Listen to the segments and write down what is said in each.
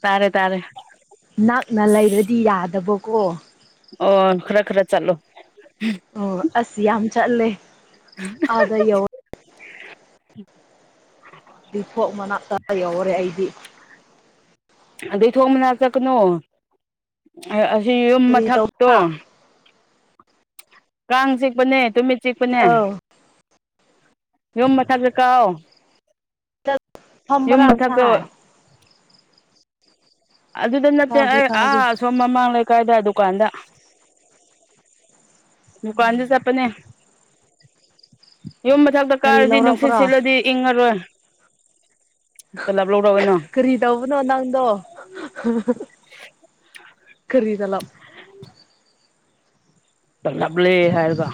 ꯇꯥꯔꯦ ꯇꯥꯔꯦ ꯅꯛꯅ ꯂꯩꯔꯗꯤ ꯌꯥꯗꯕꯀꯣ ꯑꯣ ꯈꯔ ꯈꯔ ꯆꯠꯂꯣ ꯑꯣ ꯑꯁ ꯌꯥꯝ ꯆꯠꯂꯦ ꯑꯥꯗ ꯌꯧ ꯗꯤꯊꯣꯛ ꯃꯅꯥꯛꯇ ꯌꯧꯔꯔꯦ ꯑꯩꯗꯤ ꯑꯗꯨꯩ ꯊꯣꯡ ꯃꯅꯥ ꯆꯠꯀꯅꯨ ꯑꯁꯤ ꯌꯨꯝ ꯀꯔꯤ ꯃꯊꯛꯇꯣ ꯇꯧꯕ꯭ꯔꯥ ꯀꯥꯡ ꯆꯤꯛꯄꯅꯦ ꯇꯨꯃꯤꯠ ꯆꯤꯛꯄꯅꯦ ꯑꯧ ꯌꯨꯝ ꯃꯊꯛ ꯆ ꯀꯥꯎ ꯌꯨꯝ ꯁꯝꯕꯔꯥ ꯑꯁ ꯃꯊꯛꯇ ꯑꯗꯨꯗ ꯅꯠꯇꯦ ꯇꯥꯒꯦ ꯑꯩ ꯇꯥꯒꯦ ꯑꯥꯁꯣꯝ ꯃꯃꯥꯡ ꯂꯩꯀꯥꯏꯗ ꯗꯨꯀꯥꯟꯗ ꯃ ꯀꯥꯟꯗ ꯆꯄꯅꯦ ꯌꯨꯝ ꯃ ꯊꯛꯇ ꯀꯔꯤ ꯀꯥꯔꯗꯤ ꯅꯨꯡꯁꯤꯠ ꯂꯧꯔꯛꯄ꯭ꯔꯣ ꯁꯤꯜꯂꯗꯤ ꯏꯪꯉꯔꯣꯏ ꯇꯂꯥꯞ ꯂꯧꯔꯛꯑꯣꯏꯅꯣ ꯀꯔꯤ ꯇꯧꯕꯅꯣ ꯅꯪꯗꯣ ꯀꯔꯤꯗ ꯂꯝꯞ ꯎ ꯆꯂꯥꯞꯂꯦ ꯍꯥꯏꯔꯒ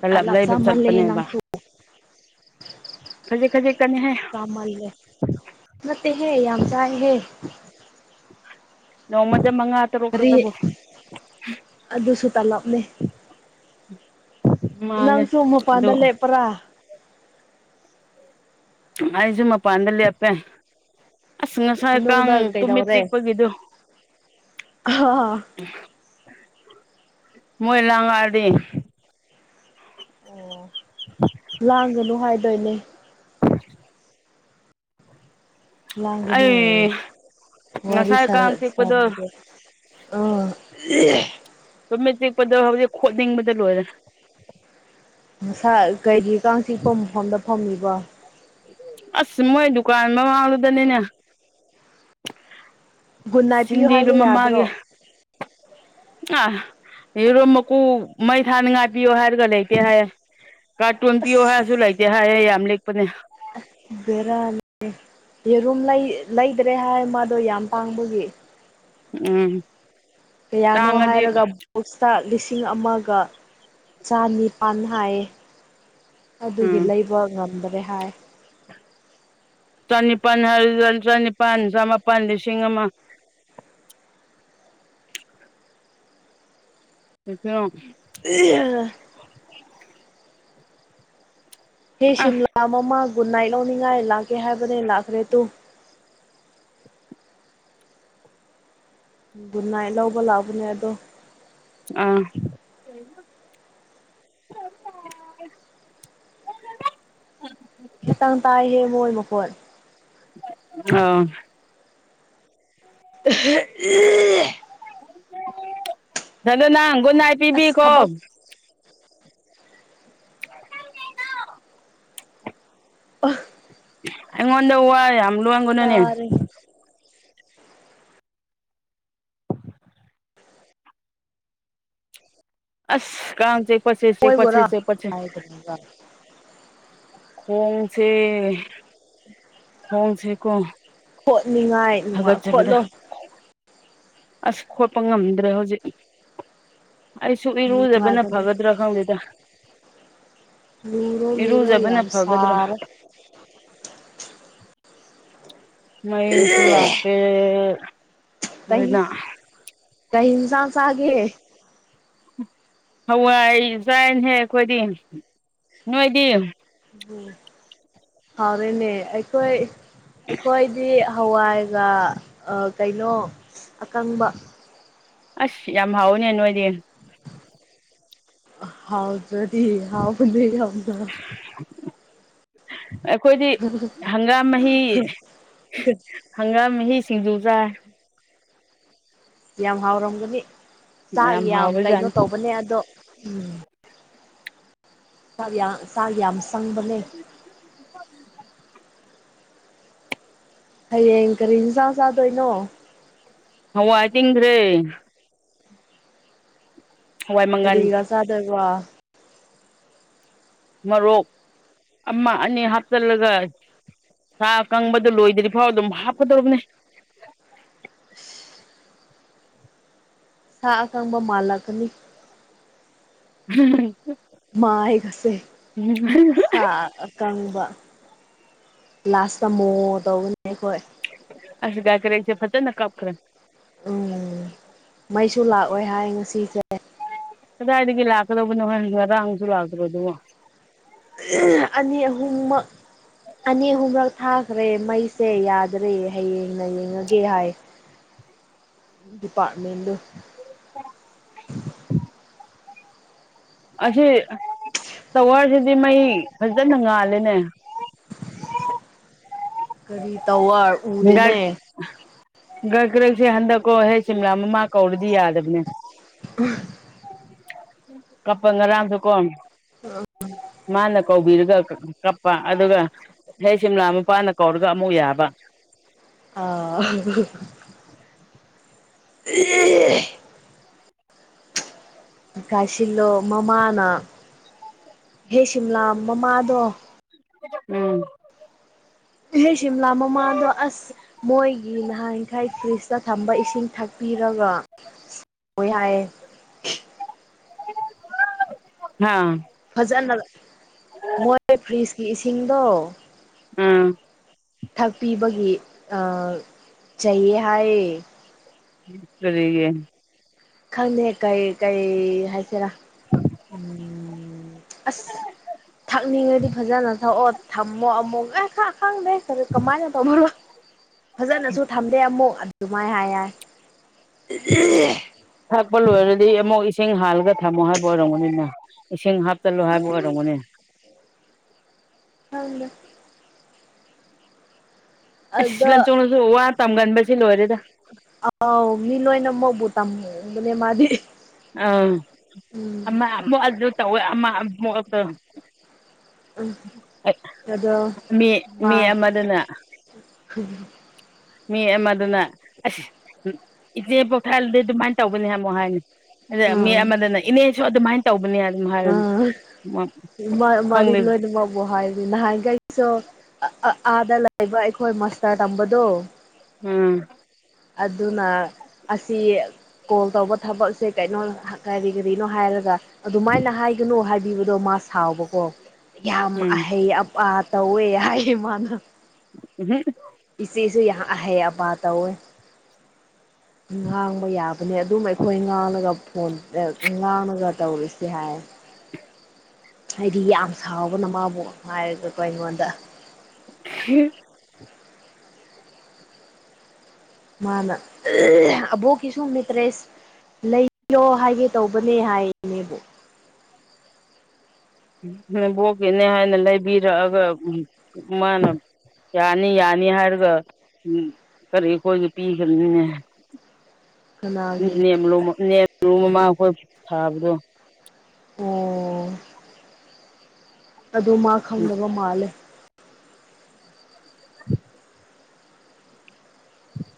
ꯇꯂꯞ ꯑꯂ ꯑꯞꯖ ꯂꯩꯕ ꯃꯜꯂꯦꯍꯦ ꯆꯠꯄꯅꯦꯕ ꯅꯪꯁꯨ ꯈꯖꯤꯛ ꯈꯖꯤꯛꯀꯅꯤꯍꯦ ꯃꯜꯂꯦ ꯅꯠꯇꯦꯍꯦ ꯌꯥꯝ ꯆꯥꯏꯍꯦ ꯅꯣꯡꯃꯗ ꯃꯉꯥ ꯇꯔꯨꯛ ꯑꯔꯤ ꯈꯛꯇꯕꯨ ꯑꯗꯨ ꯑꯗꯨ ꯁꯨ ꯇ ꯂꯞꯅꯦ ꯃꯥꯜꯂꯦ ꯅꯪꯁꯨꯨꯝꯃ ꯑꯗꯨ ꯐꯥꯟꯗ ꯂꯩꯦꯄ꯭ꯔꯥ ꯑꯩꯁꯨ ꯃꯄꯥꯟꯗ ꯂꯦꯞꯄꯦ ꯑꯁ ꯉꯁꯥꯏ ꯀꯥꯡ ꯃꯅꯨꯡꯗ ꯇꯨꯃꯤꯠ ꯀꯩꯗꯧꯔꯦ ꯆꯤꯛꯄꯒꯤꯗꯨꯣ ꯑꯣ ꯃꯣꯏ ꯂꯉꯥꯗꯤ ꯑꯣ ꯂꯥꯡꯒꯅꯨ ꯍꯥꯏꯗꯣꯏꯅꯦ ꯎ ꯂꯒꯟ ꯑꯣ ꯑꯩ ꯋꯥꯔꯤ ꯉꯁꯥꯏ ꯁꯔ ꯀꯥꯡ ꯁꯔꯦ ꯆꯤꯛꯄꯗꯣ ꯑ ꯁꯨꯝꯃꯦ ꯆꯤꯛꯄꯗꯣ ꯍꯧꯖꯤꯛ ꯈꯣꯠꯅꯤꯡꯕꯗ ꯂꯣꯏꯔꯦ ꯃꯁꯥ ꯀꯩꯔꯤ ꯀꯥꯡ ꯆꯤꯛꯄ ꯃꯐꯝꯗ ꯐꯝꯃꯤꯕꯣ ꯑꯁ ꯃꯣꯏ ꯗꯨꯀꯥꯟ ꯃꯃꯥꯡꯂꯨꯗꯅꯤꯅꯦ ꯒꯨꯗ ꯅꯥꯏꯠ ꯄꯤꯌꯨ ꯁꯤꯟꯗꯤꯗꯨ ꯍꯥꯏꯕ ꯌꯥꯗ꯭ꯔꯣ ꯑꯥ ꯌꯦꯔꯣ ꯃꯀꯨ ꯃꯩ ꯊꯥꯅ ꯉꯥꯏꯄꯤꯌꯣ ꯍꯥꯏꯔꯒ ꯂꯩꯇꯦ ꯍꯥꯏꯌꯦꯦ ꯀꯥꯔꯇꯨꯟ ꯄꯤꯌꯣ ꯍꯥꯏꯔꯁꯨ ꯂꯩꯇꯦ ꯍꯥꯏꯌꯦ ꯌꯥꯝ ꯂꯦꯛꯄꯅꯦ ꯕꯦꯔꯥꯅꯤ ꯌꯦꯔꯨꯝ ꯂꯩꯗ꯭ꯔꯦ ꯍꯥꯏ ꯃꯥꯗꯣ ꯌꯥꯝ ꯄꯥꯡꯕꯒꯤ ꯎꯝ ꯀꯌꯥꯅꯣ ꯇꯥꯡꯉꯗꯤ ꯍꯥꯏꯔꯒ ꯕꯣꯛꯁꯇ ꯂꯤꯁꯤꯡ ꯑꯃꯒ ꯆꯅꯤꯄꯥꯥꯟ ꯍꯥꯏꯌꯦ ꯑꯗꯨꯒꯤ ꯎꯝ ꯂꯩꯕ ꯉꯝꯗ꯭ꯔꯦ ꯍꯥꯏ ꯆꯅꯤꯄꯥꯟ ꯍꯥꯏꯗ ꯆꯅꯤꯄꯥꯟ ꯆꯃꯥꯄꯜ ꯂꯤꯁꯤꯡ ꯑꯃ ꯑꯗꯨꯁꯨꯣ ꯑ ꯍꯦ ꯑ ꯁꯤꯝꯂꯥ ꯃꯃꯥ ꯒꯨꯗ ꯅꯥꯏꯠ ꯂꯧꯅꯤꯡꯉꯥꯏ ꯂꯥꯛꯀꯦ ꯍꯥꯏꯕꯅꯦ ꯂꯥꯛꯈ꯭ꯔꯦ ꯇꯨ ꯒꯨꯟꯅꯥꯏ ꯂꯧꯕ ꯂꯥꯛꯕꯅꯦ ꯑꯗꯣ ꯑꯥ ꯈꯤꯇꯪ ꯇꯥꯏꯍꯦ ꯃꯣꯏ ꯃꯈꯣꯠ ꯑ [unintelligible] ꯑꯗꯣ ꯅꯪ ꯒꯨꯟ ꯅꯥꯏ ꯑꯁ ꯄꯤꯕꯤꯈꯣ ꯊꯕꯛ [unintelligible] ꯑꯥ ꯑꯩꯉꯣꯟꯗ ꯋꯥ ꯌꯥꯝ ꯂꯣꯟꯒꯅꯨꯅꯦ ꯇꯥꯔꯦꯍꯦ ꯑꯁ ꯀꯥꯡ ꯆꯤꯛꯄꯁꯤ ꯆꯤꯛꯄꯁꯤ ꯃꯣꯏꯕꯨꯔꯥ ꯆꯤꯛꯄꯁꯤ [unintelligible] ꯈꯣꯡꯁꯦ [inaudible] ꯈꯣꯡꯁꯤꯀꯣ ꯍꯣꯠꯅꯤꯡꯉꯥꯏ ꯅꯨꯡꯉꯥꯏ ꯈꯣꯠꯂꯣ ꯑꯁ ꯈꯣꯠꯄ ꯉꯝꯗ꯭ꯔꯦ ꯍꯧꯖꯤꯛ ꯑꯩꯁꯨ ꯏꯔꯨꯖꯕꯅ ꯅꯨꯡꯉꯥꯏꯕꯅꯦ ꯐꯒꯗ꯭ꯔꯥ ꯈꯪꯗꯦꯗ ꯂꯨꯔꯣ ꯂꯨꯔꯣ ꯏꯔꯨꯖꯕꯅ ꯌꯥꯝ ꯐꯒꯗ꯭ꯔꯥ ꯁꯥꯔꯦ ꯃꯩꯁꯨ ꯂꯥꯛꯇꯦ ꯀꯩ ꯑꯗꯨꯅ ꯀꯩ ꯍꯤꯟꯖꯥꯡ ꯆꯥꯒꯦ ꯍꯋꯥꯏ ꯆꯥꯏꯍꯦ ꯑꯩꯈꯣꯏꯗꯤ ꯅꯣꯏꯗꯤ ꯎꯝ ꯍꯥꯎꯔꯦꯅꯦ ꯑꯩꯈꯣꯏ ꯑꯩꯈꯣꯏꯗꯤ ꯍꯋꯥꯏꯒ ꯀꯩꯅꯣ ꯑꯀꯪꯕ ꯑꯁ ꯌꯥꯝ ꯍꯥꯎꯋꯏꯅꯦ ꯅꯣꯏꯗꯤ ꯍꯥꯎꯇꯔꯥꯗꯤ ꯍꯥꯎꯕꯅꯦ ꯌꯥꯝꯅ ꯑꯩꯈꯣꯏꯗꯤ ꯍꯪꯒꯥꯝ ꯃꯍꯤ ꯍꯪꯒꯥꯝ ꯃꯍꯤ ꯁꯤꯡꯖꯨ ꯆꯥꯏ ꯌꯥꯝ ꯍꯥꯎꯔꯝꯒꯅꯤ ꯆꯥꯛ ꯌꯥꯝ ꯀꯩꯅꯣ ꯇꯧꯕꯅꯦ ꯑꯗꯣ ꯎꯝ ꯁꯥ ꯌꯥꯝ ꯆꯥꯛ ꯌꯥꯝ ꯆꯪꯕꯅꯦ ꯍꯌꯦꯡ ꯀꯔꯤ ꯏꯟꯁꯥꯡ ꯆꯥꯗꯣꯏꯅꯣ ꯍꯋꯥꯏ ꯇꯤꯡꯒ꯭ꯔꯦ ꯍꯋꯥꯏ ꯃꯪꯒꯜ ꯀꯔꯤꯒꯥ ꯆꯥꯗꯣꯏꯕ ꯃꯔꯣꯔꯣꯛ ꯑꯃ ꯑꯅꯤ ꯍꯥꯞꯆꯤꯜꯂꯒ ꯁꯥ ꯀꯪꯕꯗ ꯂꯣꯏꯗ꯭ꯔꯤ ꯐꯥꯎ ꯑꯗꯨꯝ ꯍꯥꯞꯀꯗꯧꯕꯅꯦ ꯁꯥ ꯑꯀꯪꯕ ꯃꯥꯂꯛꯀꯅꯤ ꯎꯝ ꯃꯥꯥꯏꯒꯁꯦ ꯁꯥ ꯀꯪꯕ ꯂꯥꯁꯇꯥ ꯃꯣ ꯇꯧꯕꯒꯤ ꯑꯩꯈꯣꯏ [unintelligible] ꯐꯖꯅ ꯀꯞꯈ꯭ꯔꯦ ꯎꯝ ꯃꯩꯁꯨ ꯂꯥꯛꯑꯣꯏ ꯍꯥꯏ ꯉꯁꯤ ꯀꯗꯥꯏꯗꯒꯤ ꯂꯥꯛꯀꯗꯧꯕꯅꯣ ꯍꯣꯏ ꯉꯔꯥꯡꯁꯨ ꯂꯥꯛꯇ꯭ꯔꯥꯕꯗꯨꯕꯣ ꯑꯅꯤ ꯑꯍꯨꯝꯃꯛ ꯑꯅꯤ ꯑꯍꯨꯝꯔꯛ ꯊꯥꯈ꯭ꯔꯦ ꯃꯩꯁꯦ ꯌꯥꯗ꯭ꯔꯦ ꯍꯌꯦꯡꯅ ꯌꯦꯡꯉꯥꯒꯦ ꯍꯥꯏ ꯗꯤꯄꯥꯔꯃꯦꯟꯗꯣ [unintelligible] ꯑꯁꯤ ꯇꯋꯥꯔꯁꯤꯗꯤ ꯃꯩ ꯐꯖꯅ ꯉꯥꯜꯂꯦꯅꯦ ꯀꯔꯤ ꯇꯧꯋꯥꯔ ꯎꯗꯦꯅꯦ ꯒ꯭ꯔꯛ ꯀ꯭ꯔꯛꯁꯦ ꯍꯟꯗꯛꯀꯣ ꯍꯦ ꯁꯤꯝꯂꯥ ꯃꯃꯥ ꯀꯧꯔꯗꯤ ꯌꯥꯗꯕꯅꯦ ꯀꯞꯄ ꯉꯔꯥꯡꯁꯨ ꯀꯣ [unintelligible] ꯃꯥꯅ ꯀꯧꯕꯤꯔꯒ ꯀꯞꯄ ꯑꯗꯨꯒ ꯍꯦꯛ ꯁꯤꯝꯂꯥ ꯃꯄꯥꯅ ꯀꯧꯔꯒ ꯑꯃꯨꯛ ꯌꯥꯕ [unintelligible] [unintelligible] ꯒꯥꯏꯁꯤꯜꯂꯣ ꯃꯃꯥꯅ ꯍꯦ ꯁꯤꯝꯂꯥ ꯃꯃꯥꯗꯣ ꯎꯝ ꯏꯍꯦ ꯁꯤꯝꯂꯥ ꯃꯃꯥꯗꯣ ꯑꯁ ꯃꯣꯏꯒꯤ ꯅꯍꯥꯟꯈꯩ ꯐ꯭ꯔꯤꯖꯇ ꯊꯝꯕ ꯏꯁꯤꯡ ꯊꯛꯄꯤꯔꯒ ꯍꯣꯏ ꯍꯥꯏꯌꯦ [unintelligible] ꯍꯥꯥ ꯐꯖꯅ ꯃꯣꯏ ꯐ꯭ꯔꯤꯖꯀꯤ ꯏꯁꯤꯡꯗꯣ ꯎꯝ ꯊꯛꯄꯤꯕꯒꯤ ꯑ ꯆꯩꯌꯦ ꯍꯥꯏꯌꯦ ꯀꯔꯤꯒꯤ ꯈꯪꯗꯦ ꯀꯩ ꯀꯩ ꯍꯥꯏꯁꯤꯔꯥ ꯎꯝ ꯑꯁ ꯊꯛꯅꯤꯡꯉꯗꯤ ꯐꯖꯅ ꯊꯛꯑꯣ ꯊꯝꯃꯣ ꯑꯃꯨꯛ ꯑꯦ ꯈ ꯈꯪꯗꯦ ꯀꯃꯥꯏꯅ ꯇꯧꯕꯔꯣ ꯐꯖꯅꯁꯨ ꯊꯝꯗꯦ ꯑꯃꯨꯛ ꯑꯗꯨꯃꯥꯏ ꯍꯥꯏꯌꯥꯏ ꯊꯛꯄ ꯂꯣꯏꯔꯗꯤ ꯑꯃꯨꯛ ꯏꯁꯤꯡ ꯍꯥꯜꯂꯒ ꯊꯝꯃꯣ ꯍꯥꯏꯕ ꯑꯣꯏꯔꯝꯒꯅꯤꯅ ꯏꯁꯤꯡ ꯍꯥꯞ ꯆꯜꯂꯣ ꯍꯥꯏꯕ ꯈꯪꯗꯦ ꯑꯣꯏꯔꯝꯒꯅꯤ ꯈꯪꯗꯦ ꯑꯁ ꯑꯗ ꯂꯟꯆꯣꯡꯅꯖꯨ ꯋꯥ ꯇꯝꯒꯟꯕꯁꯤ ꯂꯣꯏꯔꯦꯗ ꯑꯥꯎ ꯃꯤ ꯂꯣꯏꯅ ꯃꯛꯕꯨ ꯇꯝꯕꯅꯦ ꯃꯥꯗꯤ ꯑꯝ ꯎꯝ ꯑꯃ ꯑꯃꯨꯛ ꯑꯗꯨ ꯇꯧꯋꯦ ꯑꯃ ꯑꯃꯨꯛ ꯇ ꯑ ꯑꯗꯣ ꯃꯤ ꯃꯥ ꯃꯤ ꯑꯃꯗꯨꯅ ꯃꯤ ꯑꯃꯗꯨꯅ ꯑꯁ ꯏꯆꯦ ꯄꯣꯛꯊꯥꯜꯗꯤ ꯑꯗꯨꯃꯥꯏꯅ ꯇꯧꯕꯅꯤ ꯑꯃꯨꯛ ꯍꯥꯏꯅꯤ ꯑꯗ ꯃꯤ ꯑꯥ ꯑꯃꯗꯅ ꯏꯅꯦꯁꯨ ꯑꯗꯨꯃꯥꯏꯅ ꯇꯧꯕꯅꯦ ꯑꯗꯨꯝ ꯍꯥꯏꯕꯅꯤ ꯑꯥ ꯃꯥ ꯃꯥꯗꯤ ꯂꯣꯏꯅꯃꯛ ꯕꯨ ꯍꯥꯏꯕꯅꯤ ꯅꯍꯥꯟꯒꯩꯁꯨ ꯑ ꯑꯥꯗ ꯂꯩꯕ ꯑꯩꯈꯣꯏ ꯃꯥꯁꯇꯔ ꯇꯝꯕꯗꯣ ꯎꯝ ꯑꯗꯨꯅ ꯑꯁꯤ ꯀꯣꯜ ꯇꯧꯕ ꯊꯕꯛꯁꯦ ꯀꯩꯅꯣ ꯀꯔꯤ ꯀꯔꯤꯅꯣ ꯍꯥꯏꯔꯒ ꯑꯗꯨꯃꯥꯏꯅ ꯍꯥꯏꯒꯅꯨ ꯍꯥꯏꯕꯤꯕꯗꯣ ꯃꯥ ꯁꯥꯎꯕꯀꯣ ꯌꯥꯝ ꯎꯝ ꯑꯍꯩ ꯑꯄꯥ ꯇꯧꯋꯦ ꯍꯥꯏ ꯃꯥꯅ ꯎꯝꯍ ꯏꯆꯦꯁꯨ ꯌꯥꯝ ꯑꯍꯩ ꯑꯕꯥ ꯇꯧꯋꯦ ꯉꯥꯡꯕ ꯌꯥꯕꯅꯦ ꯑꯗꯨꯝ ꯑꯩꯈꯣꯏ ꯉꯥꯡꯉꯒ ꯐꯣꯟ ꯉꯥꯡꯉꯒ ꯇꯧꯔꯤꯁꯦ ꯍꯥꯏ ꯍꯥꯏꯗꯤ ꯌꯥꯝ ꯁꯥꯎꯕꯅ ꯃꯥꯕꯨ ꯍꯥꯏꯔꯒꯀꯣ ꯑꯩꯉꯣꯟꯗ ꯍꯨꯝ ꯃꯥꯅ ꯑꯕꯣꯛꯀꯤꯁꯨꯨ ꯃꯦꯇ꯭ꯔꯦꯁ ꯂꯩꯌꯣ ꯍꯥꯏꯒꯦ ꯇꯧꯕꯅꯦ ꯍꯥꯏꯅꯦꯕꯣ ꯅꯕꯣꯛꯀꯤꯅꯦ ꯍꯥꯏꯅ ꯂꯩꯕꯤꯔꯛꯑꯒ ꯃꯥꯅ ꯌꯥꯅꯤ ꯌꯥꯅꯤ ꯍꯥꯏꯔꯒ ꯀꯔꯤ ꯈꯣꯏꯗ ꯄꯤꯈꯤꯕꯅꯤꯅꯦ [inaudible] ꯀꯅꯥꯒꯤ [unintelligible] ꯃꯃꯥꯈꯣꯏ ꯊꯥꯕꯗꯣ ꯑꯣ ꯑꯗꯨ ꯃꯥ ꯈꯪꯗꯕ ꯃꯥꯜꯂꯦ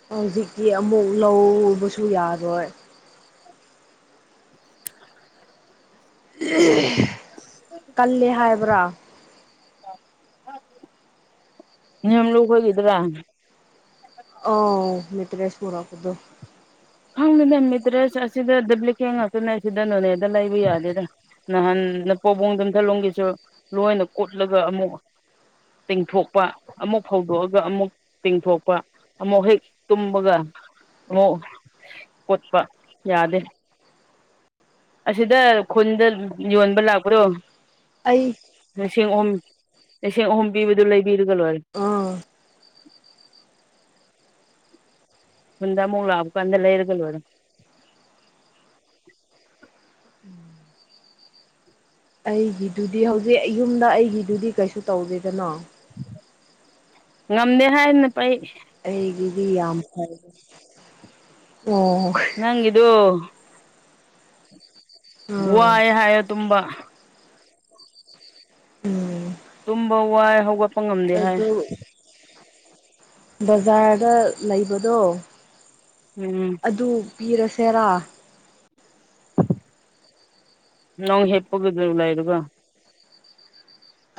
ꯍꯧꯖꯤꯛꯇꯤ ꯑꯃꯨꯛ ꯂꯧꯕꯁꯨ ꯌꯥꯔꯣꯏ [unintelligible] ꯀꯜꯂꯦ ꯍꯥꯏꯕ꯭ꯔꯥ [unintelligible] ꯌꯥꯝ ꯂꯨꯈꯒꯗ꯭ꯔꯥ ꯑꯥꯎ ꯃꯤꯇꯔꯦꯁ ꯄꯨꯔꯛꯄꯗꯣ ꯈꯪꯗꯦꯅꯦ ꯃꯤꯠꯇ꯭ꯔꯦꯁ ꯑꯁꯤꯗ ꯗꯨꯕ꯭ꯂꯤꯛꯀꯦꯠ ꯉꯥꯛꯇꯅꯦ ꯁꯤꯗ ꯅꯣꯅꯦꯗ ꯂꯩꯕ ꯌꯥꯒꯦꯔ ꯅꯍꯥꯟ ꯅꯄꯣꯕꯣꯡ ꯌꯝꯊꯂꯣꯝꯒꯤꯁꯨ ꯂꯣꯏꯅ ꯀꯨꯠꯂꯒ ꯑꯃꯨꯛ ꯇꯤꯡꯊꯣꯛꯄ ꯑꯃꯨꯛ ꯐꯧꯗꯣꯛꯑꯒ ꯑꯃꯨꯛ ꯇꯤꯡꯊꯣꯛꯄ ꯑꯃꯨꯛ ꯍꯦꯛ ꯇꯨꯝꯕꯒ ꯑꯃꯨꯛ ꯀꯣꯠꯄ ꯌꯥꯗꯦ ꯑꯁꯤꯗ ꯈꯨꯟꯗ ꯌꯣꯟꯕ ꯂꯥꯛꯄꯗꯣ ꯑꯩ ꯂꯤꯁꯤꯡ ꯑꯍꯨꯝ ꯂꯤꯁꯤꯡ ꯑꯍꯨꯝ ꯄꯤꯕꯗꯨ ꯂꯩꯕꯤꯔꯒ ꯂꯣꯏꯔꯦ ꯑꯥ ꯈꯨꯟꯗ ꯑꯃꯨꯛ ꯂꯥꯛꯕꯀꯥꯟꯗ ꯂꯩꯔꯒ ꯂꯣꯏꯔꯦ ꯑꯩꯒꯤꯗꯨꯗꯤ ꯍꯧꯖꯤꯛ ꯌꯨꯝꯗ ꯑꯩꯒꯤꯗꯨꯗꯤ ꯀꯩꯁꯨ ꯇꯧꯗꯦꯗꯅꯥ ꯉꯝꯗꯦ ꯍꯥꯏꯗꯅ ꯄꯩ ꯑꯩꯒꯤꯗꯤ ꯌꯥꯝ ꯐꯩ ꯑꯣ ꯅꯪꯒꯤꯗꯨ ꯎꯝ ꯋꯥꯏ ꯍꯥꯏꯌꯣ ꯇꯨꯝꯕ ꯎꯝ ꯇꯨꯝꯕ ꯋꯥꯏ ꯍꯧꯒꯠ ꯑꯗꯨ ꯕꯖꯥꯔꯗ ꯂꯩꯕꯗꯣ ꯎꯝ ꯑꯗꯨ ꯄꯤꯔꯁꯦꯔꯥ ꯅꯪ ꯍꯦꯄꯒꯤꯗꯨꯂꯩꯔꯕ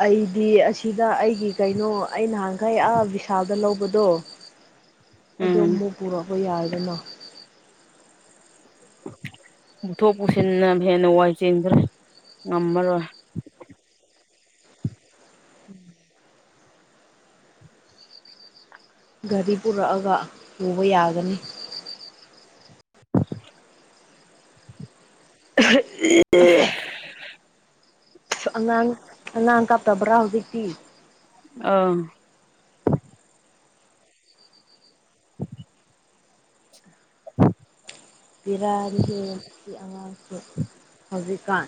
ꯑꯩꯗꯤ ꯑꯁꯤꯗ ꯑꯩꯒꯤ ꯀꯩꯅꯣ ꯑꯩ ꯅꯍꯥꯟꯈꯩ ꯑꯥ ꯕꯤꯚꯤꯁꯥꯜꯗ ꯂꯧꯕꯗꯣ ꯑꯗꯣ ꯎꯝ ꯑꯃꯨꯛ ꯄꯨꯔꯛꯄ ꯌꯥꯏꯗꯅ ꯄꯨꯊꯣꯛ ꯄꯨꯁꯤꯟꯅ ꯍꯦꯟꯅ ꯋꯥꯏ ꯆꯤꯟꯈꯔꯦ ꯉꯝꯃꯔꯣꯏ ꯒꯥꯔꯤ ꯄꯨꯔꯛꯑꯒ ꯄꯨꯕ ꯌꯥꯒꯅꯤ ꯎ [unintelligible] ꯑꯉꯥꯡ ꯑꯉꯥꯡ ꯀꯞꯇꯕꯔꯥ ꯍꯧꯖꯤꯛꯇꯤ ꯑꯥ [inaudible] ꯎꯝ [unintelligible] ꯕꯤꯔꯥ ꯅꯤꯍꯦ ꯑꯁꯤ ꯑꯉꯥꯡꯁꯤ ꯍꯧꯖꯤꯛꯀꯥꯟ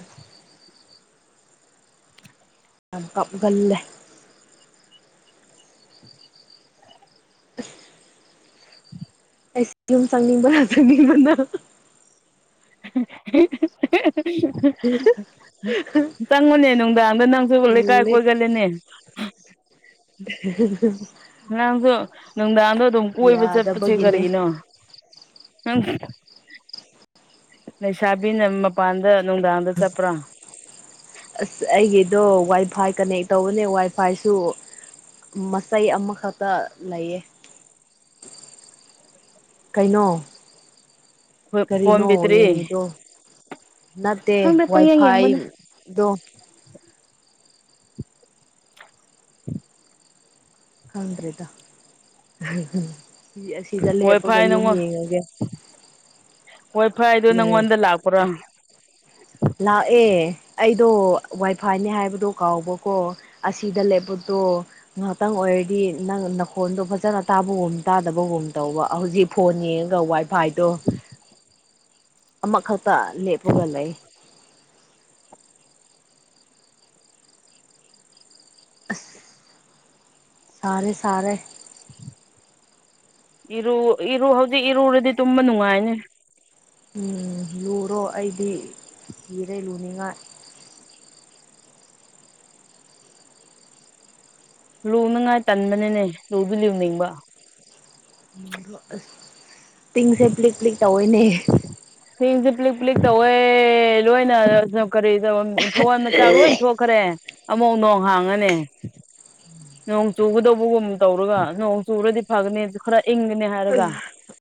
ꯌꯥꯝ ꯀꯞꯒꯜꯂꯦ ꯑꯩꯁ ꯌꯨꯝ ꯆꯪꯅꯤꯡꯕꯅ ꯆꯪꯅꯤꯡꯕꯅ [unintelligible] ꯆꯪꯉꯨꯅꯦ ꯅꯨꯡꯗꯥꯡꯗ ꯅꯪꯁꯨ ꯂꯩꯀꯥꯏ ꯂꯨꯜꯂꯦ ꯀꯣꯏꯒꯜꯂꯤꯅꯦ ꯑꯍ ꯍ ꯍꯝ ꯉꯔꯥꯡꯁꯨ ꯅꯨꯡꯗꯥꯡꯗꯣ ꯑꯗꯨꯝ ꯀꯣꯏꯕ ꯆꯠꯄꯁꯦ ꯌꯥꯗꯕꯒꯤꯅꯦ ꯀꯔꯤꯒꯤꯅꯣ ꯅꯪ ꯂꯩꯁꯥꯕꯤꯅ ꯃꯄꯥꯟꯗ ꯅꯨꯡꯗꯥꯡꯗ ꯆꯠꯄ꯭ꯔꯥ ꯑꯁ ꯑꯩꯒꯤꯗꯣ ꯋꯥꯏ ꯐꯥꯏ ꯀꯅꯦꯛ ꯇꯧꯕꯅꯦ ꯋꯥꯏ ꯐꯥꯏꯁꯨ ꯃꯆꯩ ꯑꯃꯈꯛꯇ ꯂꯩꯌꯦ ꯀꯩꯅꯣ ꯐꯣꯟ ꯀꯔꯤꯅꯣ ꯕꯦꯇ꯭ꯔꯤ ꯌꯦꯡꯉꯤꯗꯣ ꯅꯠꯇꯦ ꯈꯪꯗꯦ ꯄꯪꯌꯦꯡ ꯌꯦꯡꯕꯅꯦ ꯋꯥꯏꯐꯥꯏꯗꯣ [unintelligible] ꯈꯪꯗ꯭ꯔꯔꯤꯗ ꯑꯁꯤꯗ ꯋꯥꯏ ꯂꯦꯞꯄꯒ ꯐꯥꯏ ꯌꯨꯝ ꯌꯦꯡꯉꯒꯦ ꯍꯣꯏ ꯐꯩꯗ ꯀꯔꯤ ꯅꯪꯉꯣꯟꯗ ꯂꯥꯛꯄ꯭ꯔꯣ ꯂꯥꯛꯑꯦ ꯑꯩꯗꯣ ꯋꯥꯏꯐꯥꯏꯅꯦ ꯍꯥꯏꯕꯗꯣ ꯀꯥꯎꯕꯀꯣ ꯑꯁꯤꯗ ꯂꯩꯕꯗꯣ ꯉꯥꯏꯍꯥꯛꯇꯪ ꯑꯣꯏꯔꯗꯤ ꯅꯪ ꯅꯈꯣꯟꯗꯣ ꯐꯖꯅ ꯇꯥꯕꯒꯨꯝ ꯇꯥꯗꯕꯒꯨꯝ ꯇꯧꯕ ꯍꯧꯖꯤꯛ ꯐꯣꯟ ꯌꯦꯡꯉꯒ ꯋꯥꯏꯐꯥꯏꯗꯣ ꯑꯃꯈꯛꯇ ꯂꯦꯞꯄꯒ ꯂꯩ ꯁꯔꯦ ꯁꯔꯦ ꯏꯔꯨ ꯏꯔꯨ ꯍꯧꯖꯤꯛ ꯏꯔꯨꯔꯗꯤ ꯇꯨꯝꯕ ꯅꯨꯡꯉꯥꯏꯅꯤ ꯎꯝ ꯂꯨꯔꯣ ꯑꯩꯗꯤ ꯀꯤꯔꯦ ꯂꯨꯅꯤꯡꯉꯥꯏ ꯔꯨꯅꯉꯥꯏ ꯇꯟꯕꯅꯤꯅꯦ ꯂꯨꯗꯤ ꯂꯨꯅꯤꯡꯕ ꯑꯁ ꯇꯤꯡꯁꯦ ꯄ꯭ꯂꯤꯛ ꯄ꯭ꯂꯤꯛ ꯇꯧꯏꯅꯦ ꯍꯌꯦꯡꯁꯦ ꯄ꯭ꯂꯤꯛ ꯄ꯭ꯂꯤꯛ ꯇꯧꯋꯦ ꯂꯣꯏꯅ ꯀꯔꯤꯗ ꯊꯋꯥꯟ ꯃꯆꯥꯛ ꯂꯣꯏ ꯊꯣꯛꯈꯔꯦ ꯑꯃꯨꯛ ꯅꯣꯡ ꯍꯥꯡꯉꯅꯤ ꯅꯣꯡ ꯆꯨꯒꯗꯧꯕꯒꯨꯝ ꯇꯧꯔꯒ ꯅꯣꯡ ꯆꯨꯔꯗꯤ ꯐꯒꯅꯤ ꯈꯔ ꯏꯪꯒꯅꯤ ꯍꯥꯏꯔꯒ